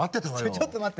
ちょっと待って。